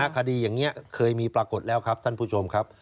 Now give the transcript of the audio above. คดีอย่างนี้เคยมีปรากฏแล้วครับท่านผู้ชมครับ